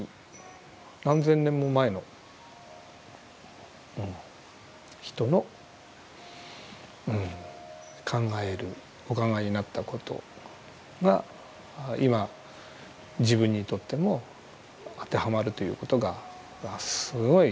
何千年も前の人のうん考えるお考えになったことが今自分にとっても当てはまるということがすごい